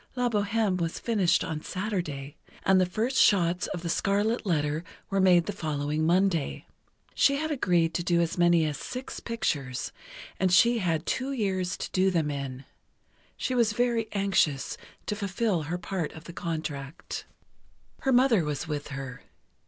"La Bohême" was finished on Saturday, and the first shots of "The Scarlet Letter" were made the following Monday. She had agreed to do as many as six pictures, and she had two years to do them in. She was very anxious to fulfill her part of the contract. Her mother was with her.